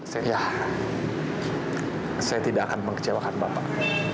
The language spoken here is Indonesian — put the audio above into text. saya tidak akan mengecewakan bapak